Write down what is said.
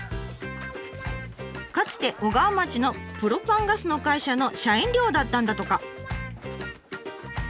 かつて小川町のプロパンガスの会社の社員寮だったんだとか。